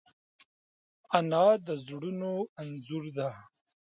انا د زړونو انځور ده